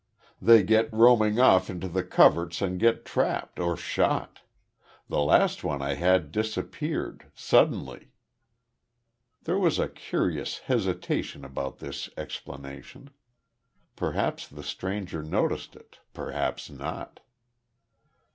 They get roaming off into the coverts and get trapped or shot. The last one I had disappeared suddenly." There was a curious hesitation about this explanation. Perhaps the stranger noticed it perhaps not.